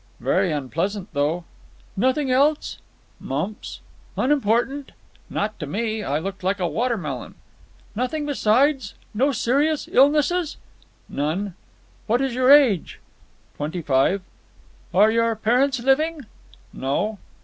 "Very unpleasant, though." "Nothing else?" "Mumps." "Unimportant." "Not to me. I looked like a water melon." "Nothing besides? No serious illnesses?" "None." "What is your age?" "Twenty five." "Are your parents living?" "No."